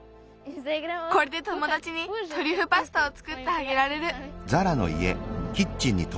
これでともだちにトリュフパスタをつくってあげられる。